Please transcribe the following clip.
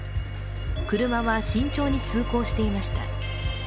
車は慎重に通行していました。